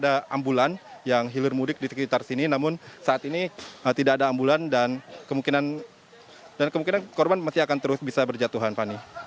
ada ambulan yang hilir mudik di sekitar sini namun saat ini tidak ada ambulan dan kemungkinan korban masih akan terus bisa berjatuhan fani